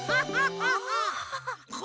ハハハハ。